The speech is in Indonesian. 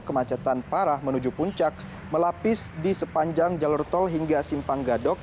kemacetan parah menuju puncak melapis di sepanjang jalur tol hingga simpang gadok